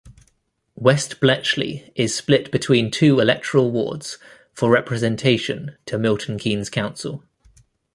West Bletchley is split between two electoral wards for representation to Milton Keynes Council.